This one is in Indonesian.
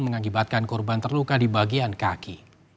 mengakibatkan korban terluka di bagian kaki